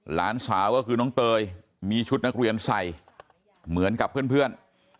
หลานสาวก็คือน้องเตยมีชุดนักเรียนใส่เหมือนกับเพื่อน